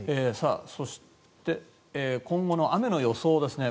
そして、今後の雨の予想ですね